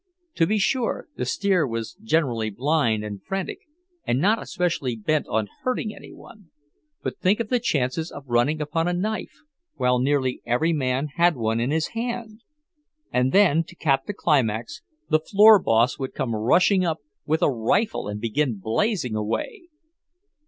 To be sure, the steer was generally blind and frantic, and not especially bent on hurting any one; but think of the chances of running upon a knife, while nearly every man had one in his hand! And then, to cap the climax, the floor boss would come rushing up with a rifle and begin blazing away!